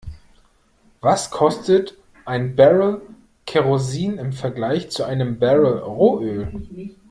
Was kostet ein Barrel Kerosin im Vergleich zu einem Barrel Rohöl?